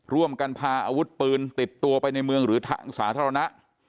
ร่วมกันพาอาวุธปืนติดตัวไปในเมืองหรือทางสาธารณะ